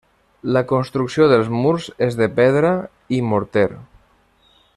La construcció dels murs és de pedra i morter.